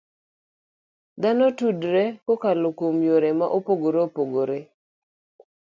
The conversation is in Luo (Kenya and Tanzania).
Dhano tudore kokalo kuom yore ma opogore opogore.